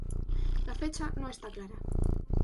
La fecha no está clara.